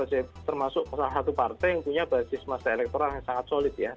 saya termasuk salah satu partai yang punya basis masa elektoral yang sangat solid ya